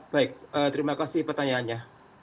baik terima kasih pertanyaannya